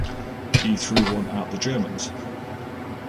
He threw one at the Germans.